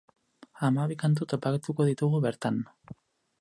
Hamabi kantu topatuko ditugu bertan.